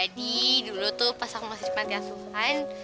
jadi dulu tuh pas aku masih mati asuhan